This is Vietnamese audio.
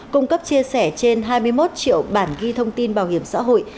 cung cấp chia sẻ trên hai mươi một triệu bản ghi thông tin bảo hiểm xã hội